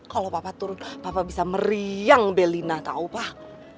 kalau papa turun papa bisa meriang belina tahu pak